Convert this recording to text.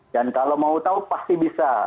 dan kalau mau tahu pasti bisa